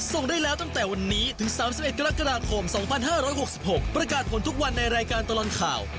ส่งได้แล้วตั้งแต่วันนี้ถึง๓๑กรกฎาคม๒๕๖๖ประกาศผลทุกวันในรายการตลอดข่าว